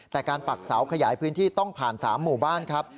แต่การปักเสาขยายพื้นที่ต้องผ่าน๓หมู่บ้านครับ